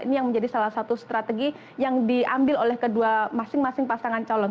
ini yang menjadi salah satu strategi yang diambil oleh kedua masing masing pasangan calon